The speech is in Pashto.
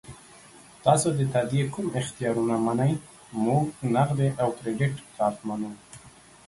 تاسو د تادیې کوم اختیارونه منئ؟ موږ نغدي او کریډیټ کارت منو.